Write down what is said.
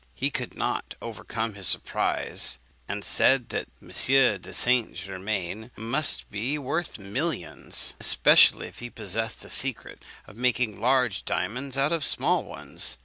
He could not overcome his surprise, and said M. de St. Germain must be worth millions, especially if he possessed the secret of making large diamonds out of small ones.